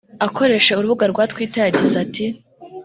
Akoreshe urubuga rwa Twitter yagize ati